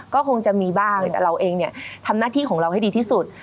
ก็คงจะมีบ้างแต่เราเองเนี่ยทำหน้าที่ของเราให้ดีที่สุด